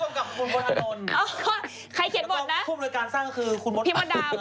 อ้าวใครเขียนบทนะแล้วก็คู่บริการสร้างก็คือคุณพนธนตรน